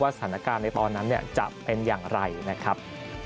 สถานการณ์ในตอนนั้นจะเป็นอย่างไรนะครับ